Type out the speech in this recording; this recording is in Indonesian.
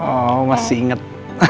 oh masih inget